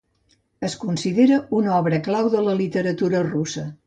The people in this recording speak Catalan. Es considera una obra clau de la literatura russa.